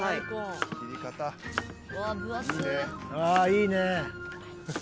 ああいいね。